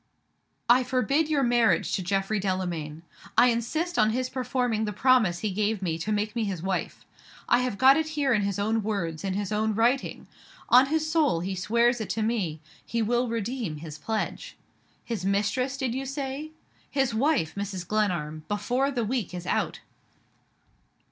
"I forbid your marriage to Geoffrey Delamayn! I insist on his performing the promise he gave me, to make me his wife! I have got it here in his own words, in his own writing. On his soul, he swears it to me he will redeem his pledge. His mistress, did you say? His wife, Mrs. Glenarm, before the week is out!"